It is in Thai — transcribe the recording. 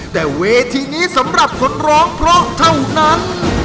แต่เวทีนี้สำหรับคนร้องเพราะเท่านั้น